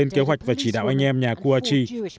kế hoạch và chỉ đạo anh em nhà gouachi